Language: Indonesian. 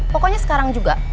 pokoknya sekarang juga